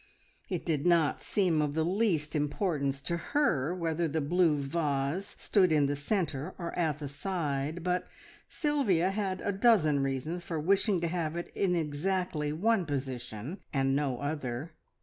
It did not seem of the least importance to her whether the blue vase stood in the centre or at the side, but Sylvia had a dozen reasons for wishing to have it in exactly one position and no other.